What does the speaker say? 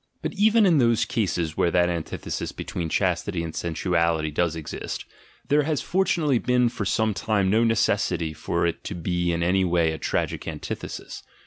But even in those cases where that antithesis between chastity and sensuality does exist, there has fortunately been for some time no necessity for it to be in any way a tragic anti thesis.